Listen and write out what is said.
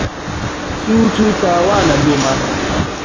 سووچ و تاوانە بۆمان